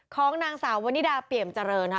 ของนางสาววนิดาเปี่ยมเจริญค่ะ